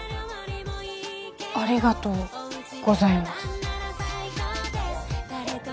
ありがとうございます。